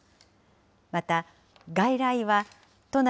また、外来は都内